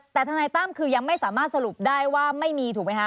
แต่ทนายตั้มคือยังไม่สามารถสรุปได้ว่าไม่มีถูกไหมคะ